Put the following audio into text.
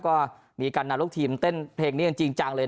ก็มีการนำลูกทีมเต้นเพลงนี้กันจริงจังเลย